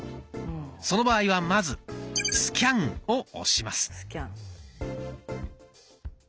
その場合はまず「スキャン」を押します。